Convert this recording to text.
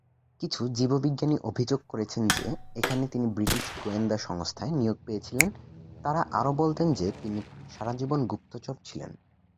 কিছু জীববিজ্ঞানী অভিযোগ করেছেন যে এখানে তিনি ব্রিটিশ গোয়েন্দা সংস্থায় নিয়োগ পেয়েছিলেন, তারা আরও বলতেন যে তিনি সারাজীবন গুপ্তচর ছিলেন।